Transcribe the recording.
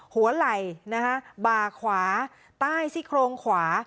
หัวไหล่นะคะบ่าขวาใต้ซี่โครงขวา